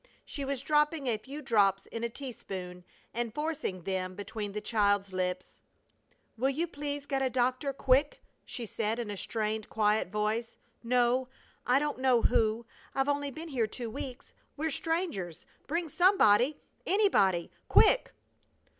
She was dropping a few drops in a teaspoon and forcing them between the child's lips. "Will you please get a doctor, quick," she said, in a strained, quiet voice. "No, I don't know who; I've only been here two weeks. We're strangers! Bring somebody! anybody! quick!"